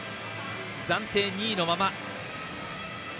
暫定２位のまま。